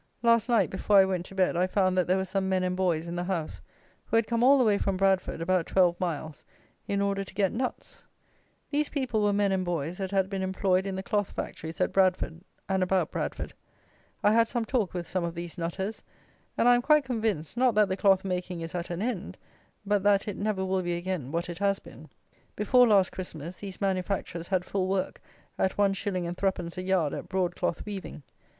Last night, before I went to bed, I found that there were some men and boys in the house, who had come all the way from Bradford, about twelve miles, in order to get nuts. These people were men and boys that had been employed in the cloth factories at Bradford and about Bradford. I had some talk with some of these nutters, and I am quite convinced, not that the cloth making is at an end; but that it never will be again what it has been. Before last Christmas these manufacturers had full work, at one shilling and threepence a yard at broad cloth weaving.